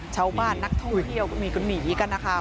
ชาวบ้านนักท่องเที่ยวก็มีกันหนีกันนะคะ